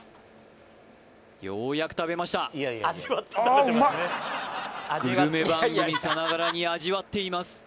ようやく食べましたグルメ番組さながらに味わっています